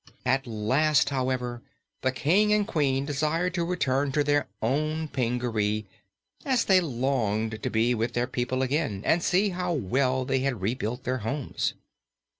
At last, however, the King and Queen desired to return to their own Pingaree, as they longed to be with their people again and see how well they had rebuilt their homes.